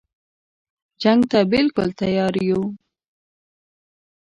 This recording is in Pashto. جنګ ته بالکل تیار یو.